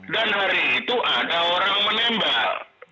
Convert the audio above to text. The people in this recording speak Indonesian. dan hari itu ada orang menembak